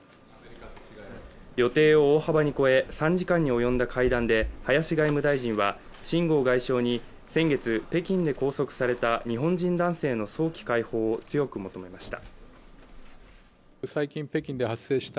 予定を大幅に超え、３時間に及んだ会談で林外務大臣は秦剛外相に先月、北京で拘束された日本人男性の早期解放を強く求めました。